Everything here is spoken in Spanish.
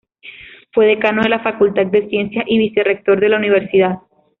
Fue decano de la Facultad de Ciencias y Vicerrector de la Universidad.